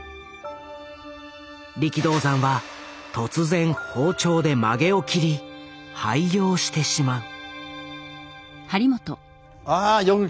力道山は突然包丁で髷を切り廃業してしまう。